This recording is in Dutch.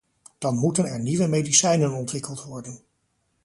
Dan moeten er nieuwe medicijnen ontwikkeld worden.